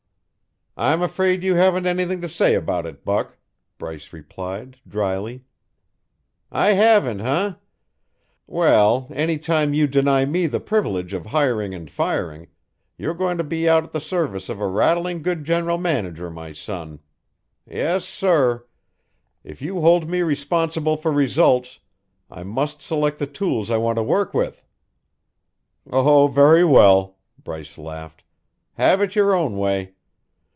"I'm afraid you haven't anything to say about it, Buck," Bryce replied dryly. "I haven't, eh? Well, any time you deny me the privilege of hiring and firing, you're going to be out the service of a rattling good general manager, my son. Yes, sir! If you hold me responsible for results, I must select the tools I want to work with." "Oh, very well," Bryce laughed. "Have it your own way.